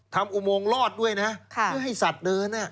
อุโมงรอดด้วยนะเพื่อให้สัตว์เดิน